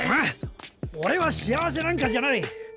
オレは幸せなんかじゃない！